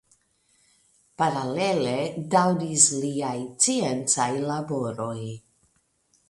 Paralele daŭris liaj sciencaj laboroj.